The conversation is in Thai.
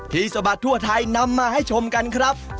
สะบัดทั่วไทยนำมาให้ชมกันครับ